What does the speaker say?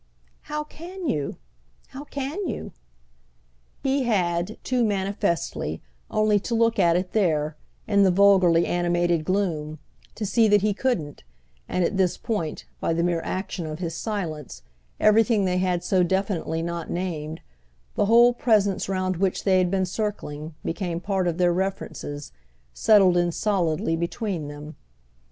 "How can you? How can you?" He had, too manifestly, only to look at it there, in the vulgarly animated gloom, to see that he couldn't; and at this point, by the mere action of his silence, everything they had so definitely not named, the whole presence round which they had been circling, became part of their reference, settled in solidly between them.